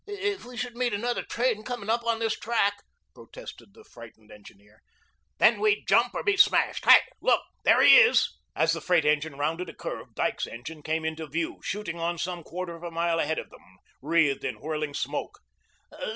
"If we should meet another train coming up on this track " protested the frightened engineer. "Then we'd jump or be smashed. Hi! look! There he is." As the freight engine rounded a curve, Dyke's engine came into view, shooting on some quarter of a mile ahead of them, wreathed in whirling smoke.